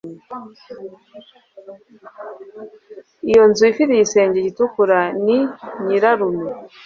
Iyo nzu ifite igisenge gitukura ni nyirarume